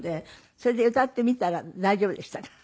それで歌ってみたら大丈夫でしたか？